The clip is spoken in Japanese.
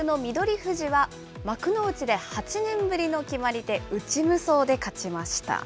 富士は、幕内で８年ぶりの決まり手、内無双で勝ちました。